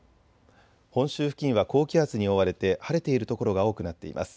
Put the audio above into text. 本州付近は高気圧に覆われて晴れている所が多くなっています。